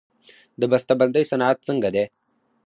د بسته بندۍ صنعت څنګه دی؟